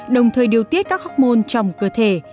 đồng thời điều tiết các hormôn trong cơ thể